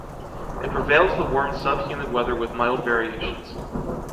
It prevails the warm sub-humid weather with mild variations.